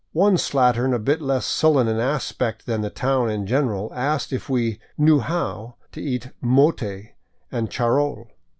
One slattern a bit less sullen in aspect than the town in general asked if we " knew how " to eat mote and charol.